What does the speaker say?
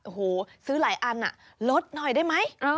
โอ้โหซื้อหลายอันลดหน่อยได้ไหม